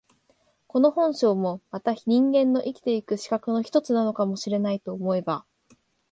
この本性もまた人間の生きて行く資格の一つなのかも知れないと思えば、